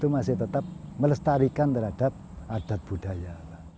masih tetap melestarikan terhadap adat budaya